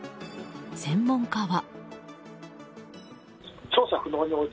専門家は。